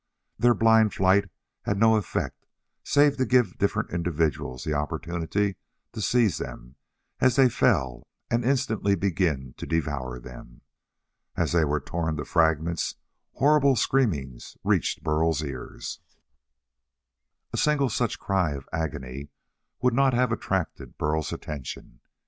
Their blind flight had no effect save to give different individuals the opportunity to seize them as they fell and instantly begin to devour them. As they were torn to fragments, horrible screamings reached Burl's ears. A single such cry of agony would not have attracted Burl's attention.